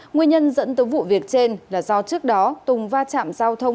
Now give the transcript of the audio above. nguyên nhân dẫn tới vụ việc trên là do trước đó tùng va chạm giao thông